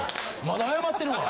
まだ謝ってるわ！